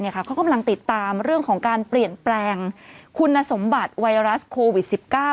เขากำลังติดตามเรื่องของการเปลี่ยนแปลงคุณสมบัติไวรัสโควิด๑๙